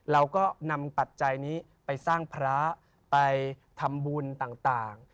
เราก็นำปัจจัยนี้ไปสร้างพระไปทำบุญต่าง